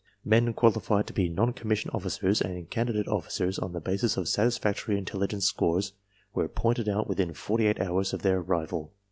Men qualified to be non commissioned officers and candidate officers on the basis of satisfactory intel ligence scores were pointed out within forty eight hours of their arrival.